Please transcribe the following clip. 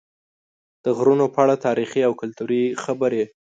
د غرونو په اړه تاریخي او کلتوري خبرې